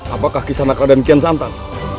apakah kisah nakal dan kian santan